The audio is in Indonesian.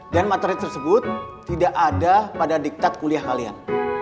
dan materi tersebut tidak ada pada diktat kuliah kalian